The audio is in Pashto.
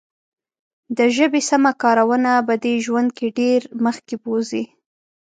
د ژبې سمه کارونه به دې ژوند کې ډېر مخکې بوزي.